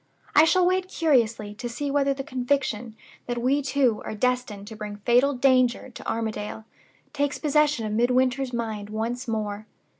I shall wait curiously to see whether the conviction that we two are destined to bring fatal danger to Armadale takes possession of Midwinter's mind once more.